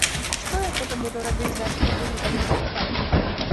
Што я потым буду рабіць з нашымі тугрыкамі на руках?